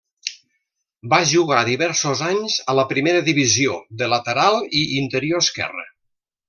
Va jugar diversos anys a la Primera Divisió de lateral i interior esquerra.